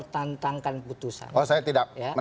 saya mau koreksi